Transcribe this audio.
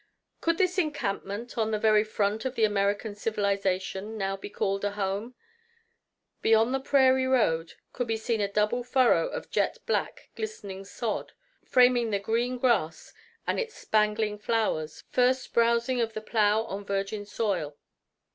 Could this encampment, on the very front of the American civilization, now be called a home? Beyond the prairie road could be seen a double furrow of jet black glistening sod, framing the green grass and its spangling flowers, first browsing of the plow on virgin soil.